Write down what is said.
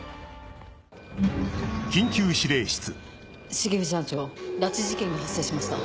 重藤班長拉致事件が発生しました。